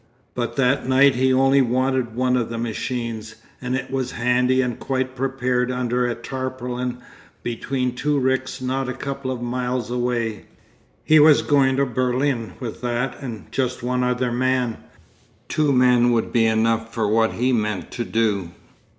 But that night he only wanted one of the machines, and it was handy and quite prepared under a tarpaulin between two ricks not a couple of miles away; he was going to Berlin with that and just one other man. Two men would be enough for what he meant to do....